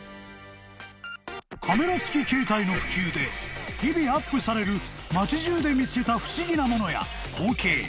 ［カメラ付き携帯の普及で日々アップされる町じゅうで見つけた不思議なものや光景］